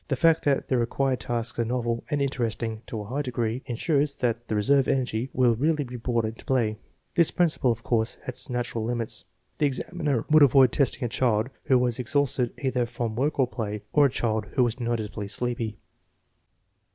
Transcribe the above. The fact that the required tasks are novel and interesting to a high degree insures that the reserve energy will really be brought into play. This principle, of course, has its natural limits. The examiner would avoid testing a child who was exhausted either from work or play, or a child who was noticeably sleepy.